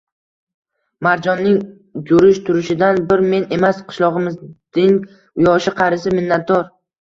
Marjonning jurish-turishidan bir men emas, qishlog‘imizding yoshu qarisi minnatdor